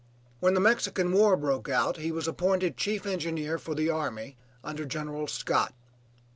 When the Mexican war broke out he was appointed chief engineer for the army under General Scott.